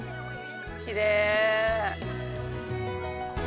きれい。